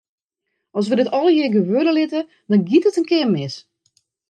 As wy dit allegear gewurde litte, dan giet it in kear mis.